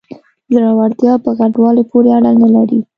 زړورتیا په غټوالي پورې اړه نلري.